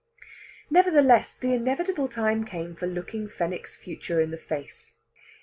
Nevertheless, the inevitable time came for looking Fenwick's future in the face.